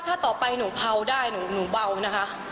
ถ้าต่อไปหนูเผาได้หนูเบานะคะ